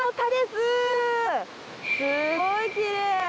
すごいきれい。